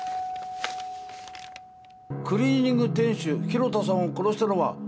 クリーニング店主広田さんを殺したのは私です。